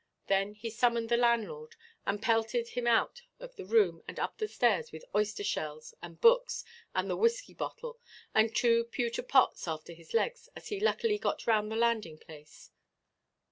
Then he summoned the landlord, and pelted him out of the room and up the stairs with oyster–shells, the books, and the whisky–bottle, and two pewter–pots after his legs, as he luckily got round the landing–place.